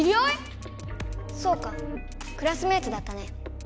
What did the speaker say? そうかクラスメートだったね。